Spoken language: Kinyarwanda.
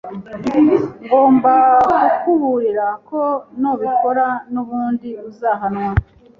Ngomba kukuburira ko nubikora nubundi uzahanwa.